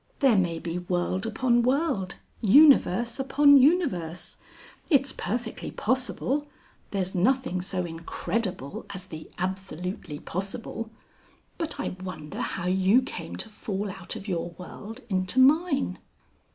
There may be world upon world, universe upon universe. It's perfectly possible. There's nothing so incredible as the absolutely possible. But I wonder how you came to fall out of your world into mine...."